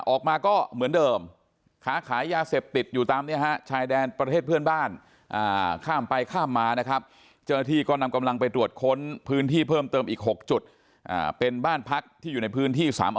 ออกมาก็เหมือนเดิมขาขายยาเสพติดอยู่ตามนี้ฮะชายแดนประเทศเพื่อนบ้าน